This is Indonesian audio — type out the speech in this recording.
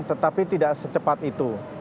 tetapi tidak secepat itu